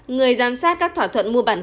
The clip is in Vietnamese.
người giám sát các thỏa thuận mua bản văn